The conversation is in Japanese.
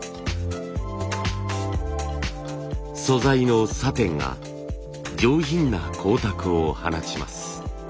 素材のサテンが上品な光沢を放ちます。